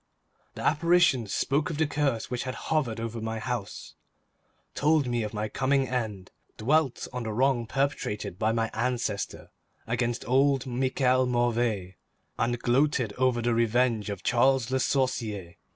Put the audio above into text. The apparition spoke of the curse which had hovered over my house, told me of my coming end, dwelt on the wrong perpetrated by my ancestor against old Michel Mauvais, and gloated over the revenge of Charles Le Sorcier.